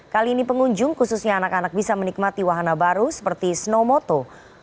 kali ini pengunjung khususnya anak anak bisa menikmati wahana baru seperti snow moto